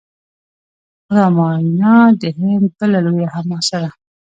راماینا د هند بله لویه حماسه ده.